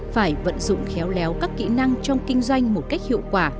phải vận dụng khéo léo các kỹ năng trong kinh doanh một cách hiệu quả